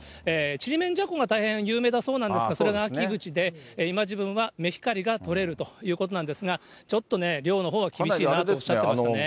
ちりめんじゃこが大変有名だそうなんですが、それが秋口で、今自分はめひかりが取れるということなんですが、ちょっとね、漁のほうは厳しいなとおっしゃっていましたね。